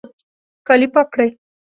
کالي پاک کړئ